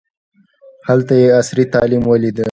هلته یې عصري تعلیم ولیده.